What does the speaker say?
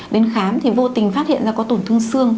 đến khám thì vô tình phát hiện ra có tổn thương xương